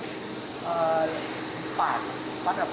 empat empat atau lima